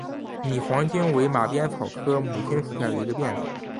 拟黄荆为马鞭草科牡荆属下的一个变种。